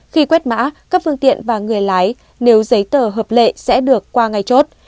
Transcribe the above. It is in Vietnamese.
khi quét mã các phương tiện và người lái nếu giấy tờ hợp lệ sẽ được qua ngay chốt